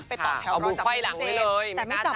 ไปต่อแถวรอจับมือน้องเจนเอาบุคว่ายหลังไว้เลยไม่กล้าจับ